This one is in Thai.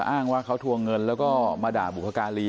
อ้างว่าเขาทวงเงินแล้วก็มาด่าบุพการี